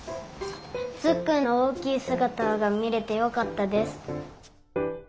つっくんのおおきいすがたがみれてよかったです。